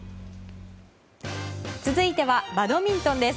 続いてはバドミントンです。